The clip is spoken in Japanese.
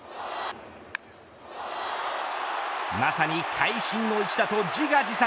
まさに会心の一打と自画自賛。